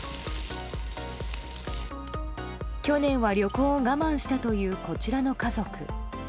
去年は旅行を我慢したというこちらの家族。